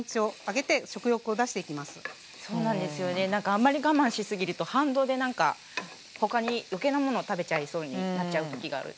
あんまり我慢しすぎると反動でなんか他に余計なものを食べちゃいそうになっちゃう時がある。